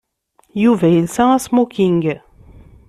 Yuba yelsa asmoking.